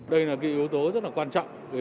đây là cái yếu tố rất là quan trọng